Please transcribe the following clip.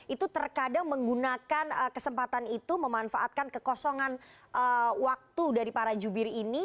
itu terkadang menggunakan kesempatan itu memanfaatkan kekosongan waktu dari para jubir ini